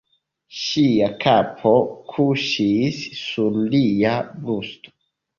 Ŝia kapo kuŝis sur lia brusto.